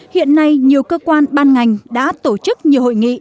hiện nay nhiều cơ quan ban ngành đã tổ chức nhiều hội nghị